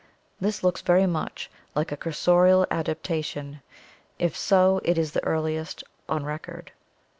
This looks very much like a cursorial adaptation; if so, it is the earliest on record.